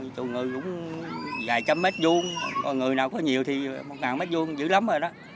chủ người cũng vài trăm mét vuông người nào có nhiều thì một ngàn mét vuông dữ lắm rồi đó